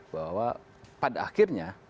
bahwa pada akhirnya